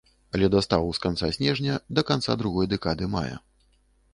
Ледастаў з канца снежня да канца другой дэкады мая.